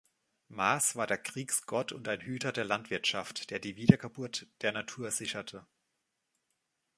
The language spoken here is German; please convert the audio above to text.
Mars war der Kriegsgott und ein Hüter der Landwirtschaft, der die Wiedergeburt der Natur sicherte.